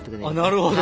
なるほど。